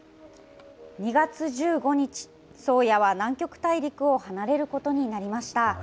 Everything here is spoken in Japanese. ２月１５日、宗谷は南極大陸を離れることになりました。